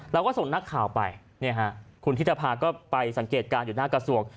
เราก็ส่งนักข่าวไปคุณธิตภาก็ไปสังเกตการณ์อยู่หน้ากระทรวง